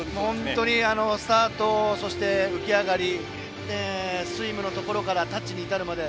スタート、そして浮き上がりスイムのところからタッチに至るまで